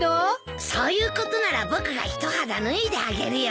そういうことなら僕が一肌脱いであげるよ。